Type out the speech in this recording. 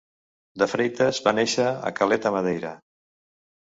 De Freitas va néixer a Calheta, Madeira.